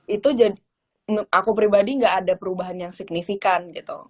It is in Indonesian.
itu jadi aku pribadi gak ada perubahan yang signifikan gitu